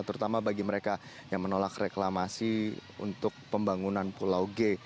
terutama bagi mereka yang menolak reklamasi untuk pembangunan pulau g